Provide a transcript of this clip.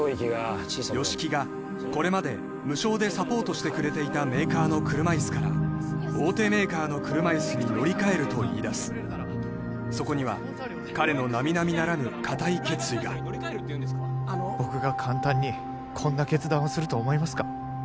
吉木がこれまで無償でサポートしてくれていたメーカーの車いすから大手メーカーの車いすに乗りかえると言いだすそこには彼の並々ならぬ固い決意が僕が簡単にこんな決断をすると思いますか？